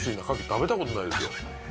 食べたことないですよ